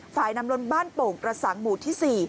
ฝ่ายน้ำล้นบ้านโป่งกระสังหมู่ที่๔